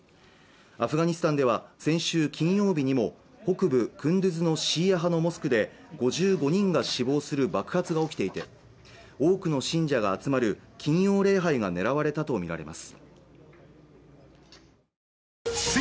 アフガニスタンでは先週金曜日にも北部クンドゥズのシーア派のモスクで５５人が死亡する爆発が起きていて多くの信者が集まる金曜礼拝が狙われたと見られます